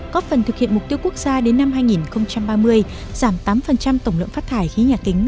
có phần thực hiện mục tiêu quốc gia đến năm hai nghìn ba mươi giảm tám tổng lượng phát thải khí nhà kính